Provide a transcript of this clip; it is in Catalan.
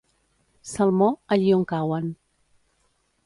Salmó, allí on cauen.